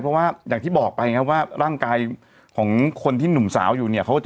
เพราะว่าอย่างที่บอกไปไงว่าร่างกายของคนที่หนุ่มสาวอยู่เนี่ย